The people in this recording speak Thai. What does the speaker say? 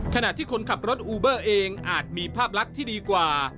ขณะที่คนขับรถอูเบอร์เองอาจมีภาพลักษณ์ที่ดีกว่า